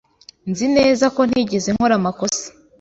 Nzi neza ko ntigeze nkora amakosa.